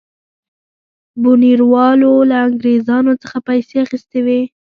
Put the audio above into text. بونیروالو له انګرېزانو څخه پیسې اخیستې وې.